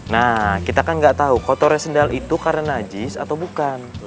nah kita kan nggak tahu kotornya sendal itu karena najis atau bukan